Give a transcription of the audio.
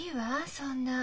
そんな。